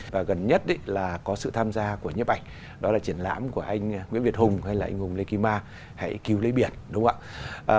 và gần nhất là có sự tham gia của nhấp ảnh đó là triển lãm của anh nguyễn việt hùng hay là anh hùng lê kỳ ma hãy cứu lấy biển đúng không ạ